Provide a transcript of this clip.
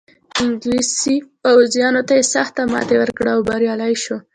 انګلیسي پوځونو ته یې سخته ماتې ورکړه او بریالی شو.